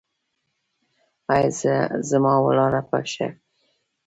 ایا زما ولاړه به ښه شي؟